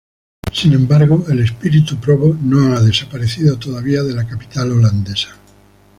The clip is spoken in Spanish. Sin embargo, el espíritu "provo" no ha desaparecido todavía de la capital holandesa.